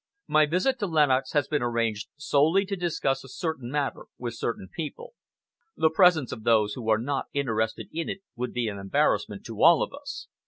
My visit to Lenox has been arranged solely to discuss a certain matter with certain people. The presence of those who are not interested in it would be an embarrassment to all of us.